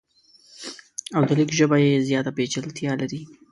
او د لیک ژبه یې زیاته پیچلتیا لري.